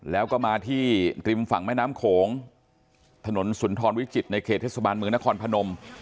แล้วก็มาที่ริมฝั่งแม่น้ำโขงถนนสุนทรวิจิตในเขตเทศบาลเมืองนครพนม